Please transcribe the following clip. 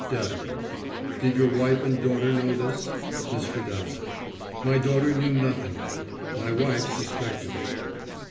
Devlin: "Did your wife and daughter know this?" Mr. Dowsett: "My daughter knew nothing of it. My wife suspected it."